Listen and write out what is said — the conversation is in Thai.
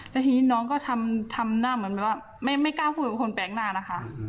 แล้วทีนี้น้องก็ทำหน้าเหมือนแบบว่าไม่กล้าพูดกับคนแปลกหน้านะคะ